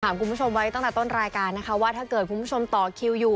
คุณผู้ชมไว้ตั้งแต่ต้นรายการนะคะว่าถ้าเกิดคุณผู้ชมต่อคิวอยู่